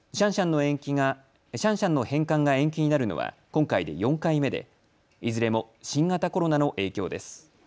シャンシャンの返還が延期になるのは今回で４回目でいずれも新型コロナの影響です。